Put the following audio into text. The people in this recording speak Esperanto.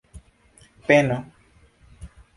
peno